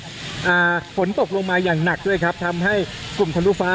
ทางกลุ่มมวลชนทะลุฟ้าทางกลุ่มมวลชนทะลุฟ้า